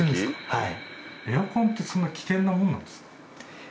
はい。